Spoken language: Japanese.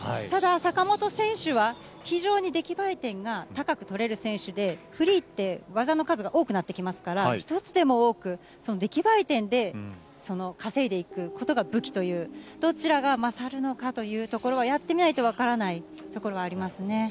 ただ、坂本選手は非常に出来栄え点が高く取れる選手で、フリーって、技の数が多くなってきますから、１つでも多く、出来栄え点で稼いでいくことが武器という、どちらが勝るのかというところは、やってみないと分からないところはありますね。